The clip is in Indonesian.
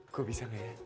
kok bisa gak ya